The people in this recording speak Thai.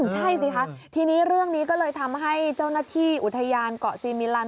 ใช่สิคะทีนี้เรื่องนี้ก็เลยทำให้เจ้าหน้าที่อุทยานเกาะซีมิลัน